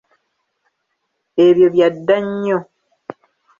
Ebyo bya dda nnyo.